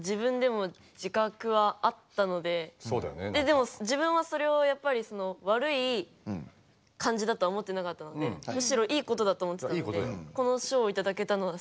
でも自分はそれをやっぱりそのわるい感じだとは思ってなかったのでむしろいいことだと思ってたのでこの賞をいただけたのはすごくうれしかったです。